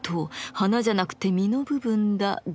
花じゃなくて実の部分だ・が・ね。